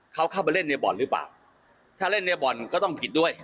เขาเข้าไปเล่นเนียร์บอลหรือเปล่าถ้าเล่นเนียร์บอลก็ต้องผิดด้วย